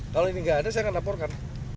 kalau ini nggak ada saya akan laporkan